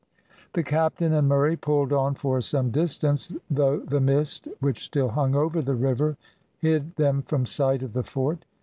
The captain and Murray pulled on for some distance, though the mist which still hung over the river hid them from sight of the fort.